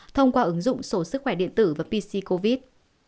thông qua ứng dụng số sức khỏe điện tử và pc covid